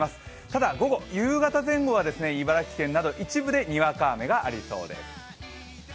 ただ、午後、夕方前後は茨城県など一部でにわか雨がありそうです。